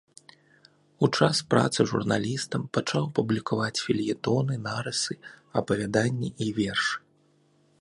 У час працы журналістам пачаў публікаваць фельетоны, нарысы, апавяданні і вершы.